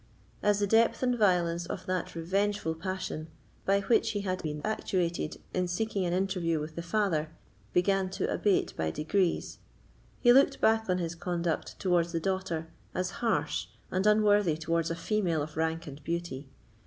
As the depth and violence of that revengeful passion by which he had been actuated in seeking an interview with the father began to abate by degrees, he looked back on his conduct towards the daughter as harsh and unworthy towards a female of rank and beauty.